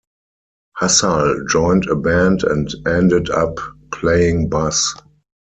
Hassall joined a band and ended up playing bass.